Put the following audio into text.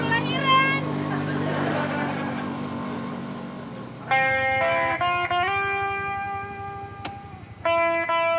nanti malah jadi keburu lahiran